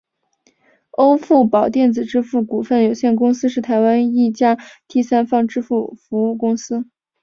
欧付宝电子支付股份有限公司是台湾一家第三方支付服务公司。